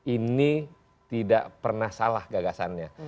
ini tidak pernah salah gagasannya